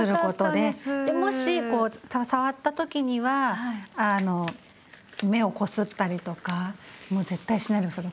でもし触った時には目をこすったりとかもう絶対しないで下さい。